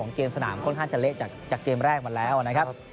เกมสนามค่อนข้างจะเละจากเกมแรกมาแล้วนะครับ